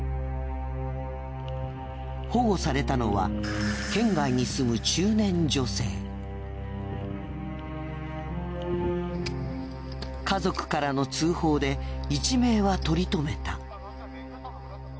保護されたのは家族からの通報で一命は取り留めた。